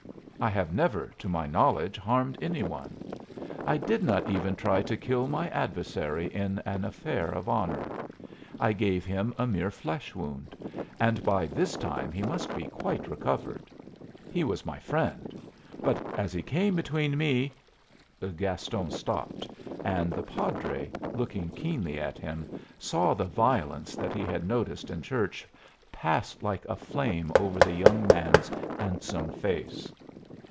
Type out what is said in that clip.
I have never, to my knowledge, harmed any one. I did not even try to kill my adversary in an affair of honor. I gave him a mere flesh wound, and by this time he must be quite recovered. He was my friend. But as he came between me " Gaston stopped; and the padre, looking keenly at him, saw the violence that he had noticed in church pass like a flame over the young man's handsome face.